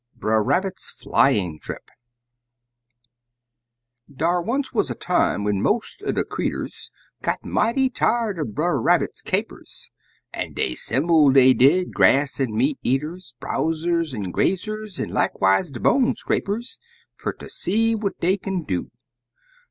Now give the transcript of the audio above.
'" BRER RABBIT'S FLYING TRIP Dar once wuz a time when most er de creeturs Got mighty tired er Brer Rabbit's capers, An' dey 'semble', dey did, grass an' meat eaters. Browsers an' grazers, an' likewiss de bone scrapers, Fer ter see what dey kin do.